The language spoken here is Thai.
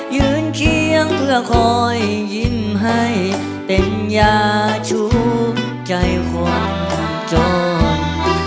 ยืนเคียงเพื่อคอยยิ้มให้เป็นยาชูใจความจน